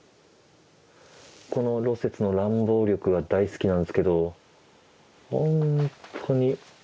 この芦雪の乱暴力が大好きなんですけどほんとに。